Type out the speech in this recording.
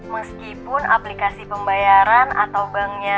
meskipun aplikasi pembayaran atau banknya